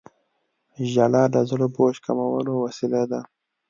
• ژړا د زړه د بوج کمولو وسیله ده.